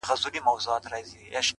دا غمى اوس له بــازاره دى لوېـدلى!